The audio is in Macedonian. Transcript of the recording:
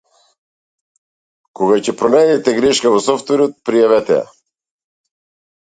Кога ќе пронајдете грешка во софтверот, пријавете ја.